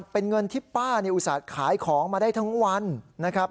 เป็นเงินที่ป้าอุตส่าห์ขายของมาได้ทั้งวันนะครับ